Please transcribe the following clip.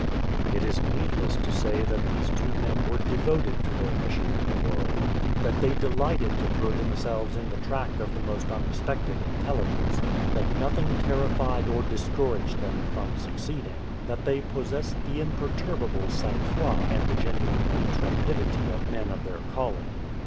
It is needless to say that these two men were devoted to their mission in the world that they delighted to throw themselves in the track of the most unexpected intelligence that nothing terrified or discouraged them from succeeding that they possessed the imperturbable sang froid and the genuine intrepidity of men of their calling.